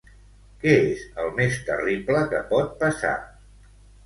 Què és el més terrible que pot passar?